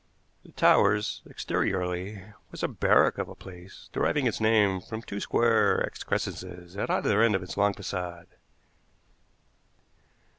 The Towers, exteriorly, was a barrack of a place, deriving its name from two square excrescences at either end of its long façade.